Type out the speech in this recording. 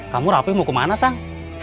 kamu rapih mau kemana tang